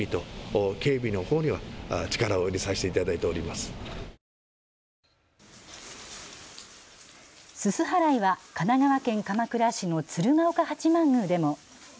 すす払いは神奈川県鎌倉市の鶴岡八幡宮でも。